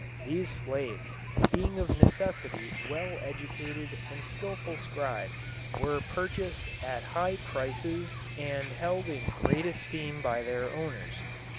These slaves, being of necessity well educated and skilful scribes, were purchased at high prices and held in great esteem by their owners.